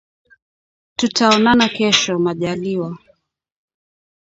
Tutaonana kesho majaliwa